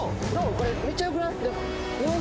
これめっちゃよくない？